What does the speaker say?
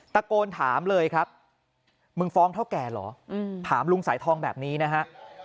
ตะโกนถามเลยครับมึงฟ้องเท่าแก่เหรอถามลุงสายทองแบบนี้นะฮะ